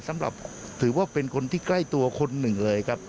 สำหรับถือว่าเป็นคนที่ใกล้ตัวคนหนึ่งเลยครับ